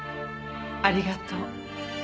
ありがとう。